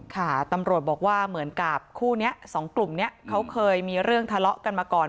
ค่ะตำรวจบอกว่าเหมือนกับคู่นี้สองกลุ่มนี้เขาเคยมีเรื่องทะเลาะกันมาก่อน